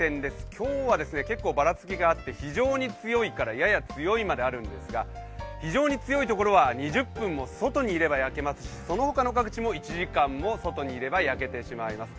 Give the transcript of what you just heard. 今日は結構ばらつきがあって非常に強いからやや強いまであるんですが非常に強いところは２０分も外にいれば焼けますしその他の各地も１時間も外にいれば焼けてしまいます。